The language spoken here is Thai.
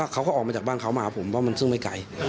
เขาก็ออกมาจากบ้านเขามาผมว่ามันซึ่งไม่ไกล